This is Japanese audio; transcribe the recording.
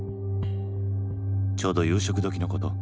ちょうど夕食時のこと。